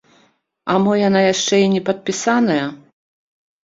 А мо яна яшчэ і не падпісаная?